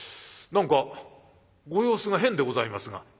何かご様子が変でございますが」。